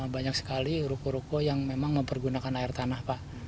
banyak sekali ruko ruko yang memang mempergunakan air tanah pak